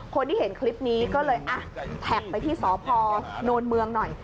คนที่เห็นคลิปนี้ก็เลยอ่ะแท็กไปที่สพนเมืองหน่อย